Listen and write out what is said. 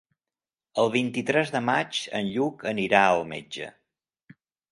El vint-i-tres de maig en Lluc anirà al metge.